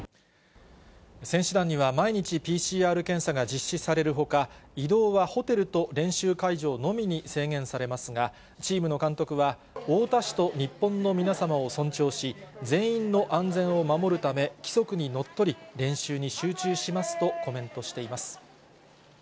選手団には毎日、ＰＣＲ検査が実施されるほか、移動はホテルと練習会場のみに制限されますが、チームの監督は、太田市と日本の皆様を尊重し、全員の安全を守るため、規則にのっとり、練習に集中しますとコメントしています。